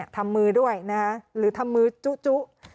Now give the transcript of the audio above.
ทำมือด้วยนะฮะหรือทำมือจุ